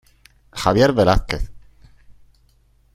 Javier Velázquez